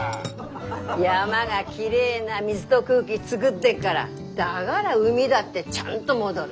山がきれいな水と空気作ってっからだがら海だってちゃんと戻る。